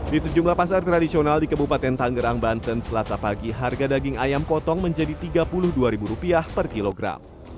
di sejumlah pasar tradisional di kebupaten tanggerang banten selasa pagi harga daging ayam potong menjadi rp tiga puluh dua per kilogram